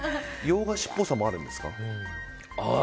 洋菓子っぽさもあるんですか？